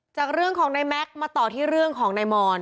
จากเรื่องของนายแม็กซ์มาต่อที่เรื่องของนายมอน